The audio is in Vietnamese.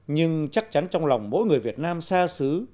nhưng chắc chắn trong lòng mỗi người việt nam xa xứ